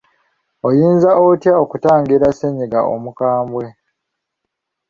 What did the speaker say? Oyinza otya okutangira ssennyiga omukambwe?